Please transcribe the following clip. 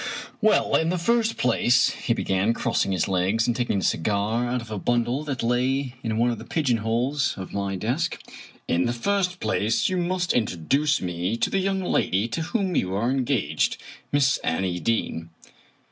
" Well, in the first place," he began, crossing his legs and taking a cigar out of a bundle that lay in one of the pigeon holes of my desk, " in the first place, you must in troduce me to the young lady to whom you are engaged, Miss Annie Deane."